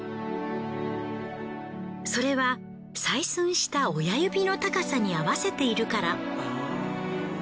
それは採寸した親指の高さに合わせているから。